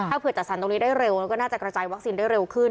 ถ้าเผื่อจัดสรรตรงนี้ได้เร็วแล้วก็น่าจะกระจายวัคซีนได้เร็วขึ้น